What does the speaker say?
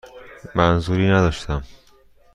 منظوری نداشتم.